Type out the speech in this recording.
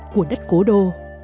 của đất cố đô